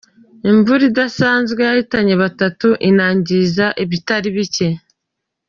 Imvura idasanzwe yahitanye batatu inangiza ibitari bike